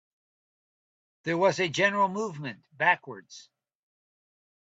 There was a general movement backwards.